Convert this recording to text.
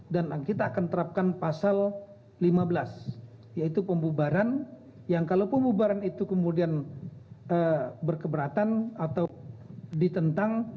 dan kita akan terapkan pasal lima belas yaitu pembubaran yang kalau pembubaran itu kemudian berkeberatan atau ditentang